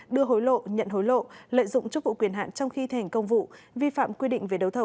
đưa hối lộ nhận hối lộ lợi dụng chức vụ quyền hạn trong khi thành công vụ vi phạm quy định về đấu thầu